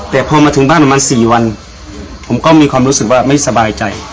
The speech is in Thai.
แต่พอมาถึงบ้านประมาณ๔วันผมก็มีความรู้สึกว่าไม่สบายใจ